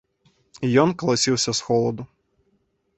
І ён калаціўся з холаду.